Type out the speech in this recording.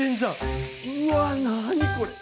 うわ何これ！